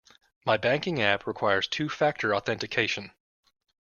My banking app requires two factor authentication.